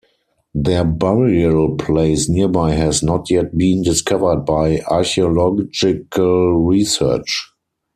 Their burial place nearby has not yet been discovered by archaeological research.